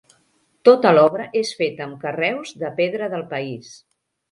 Tota l'obra és feta amb carreus de pedra del país.